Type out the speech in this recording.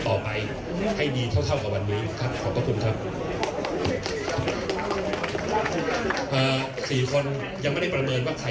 แต่ตอนนี้ยังไม่มีการประเมินนะครับที่เหลืออยู่จุดเดิมนะครับนะครับ